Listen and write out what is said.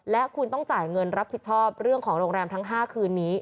และคุณต้องจ่ายเงินรับผิดชอบเรื่องของโรงแรมทั้ง๕คืนนี้